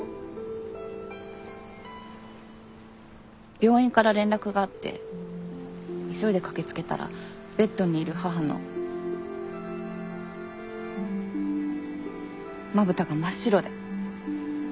病院から連絡があって急いで駆けつけたらベッドにいる母のまぶたが真っ白で。